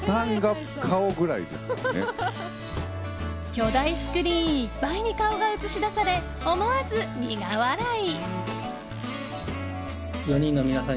巨大スクリーンいっぱいに顔が映し出され、思わず苦笑い。